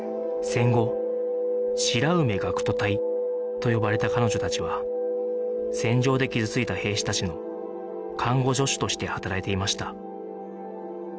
戦後白梅学徒隊と呼ばれた彼女たちは戦場で傷ついた兵士たちの看護助手として働いていました